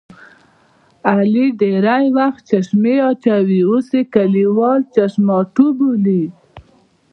علي ډېری وخت چشمې اچوي اوس یې کلیوال چشماټو بولي.